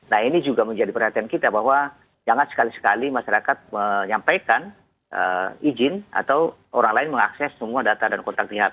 nah ini juga menjadi perhatian kita bahwa jangan sekali sekali masyarakat menyampaikan izin atau orang lain mengakses semua data dan kontak lihat